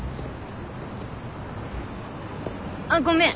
あっごめん。